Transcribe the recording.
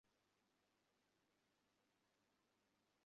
চুপচাপ চেয়ারে পা তুলে বসে আছে।